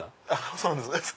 そうなんです。